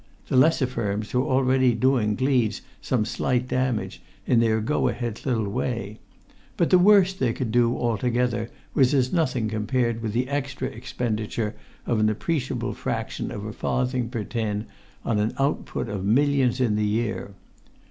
The lesser firms were already doing Gleeds' some slight damage in their go ahead little way; but the worst they could all do together was as nothing compared with the extra expenditure of an appreciable fraction of a farthing per tin on an output of millions in the year.